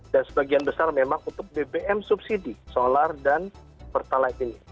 dan sebagian besar memang untuk bbm subsidi solar dan pertalai ini